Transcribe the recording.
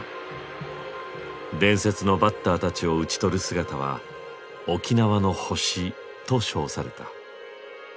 伝説のバッターたちを打ち取る姿は「沖縄の星」と称された。